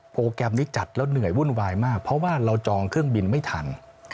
โปรแกรมนี้จัดแล้วเหนื่อยวุ่นวายมากเพราะว่าเราจองเครื่องบินไม่ทัน